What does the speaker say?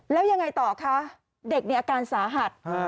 แล้วยังไงต่อคะเด็กเนี่ยอาการสาหัส